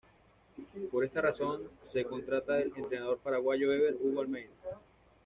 Por esta razón se contrata al entrenador paraguayo Ever Hugo Almeida.